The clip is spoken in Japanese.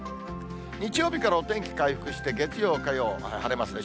日曜日からお天気回復して、月曜、火曜、晴れますね。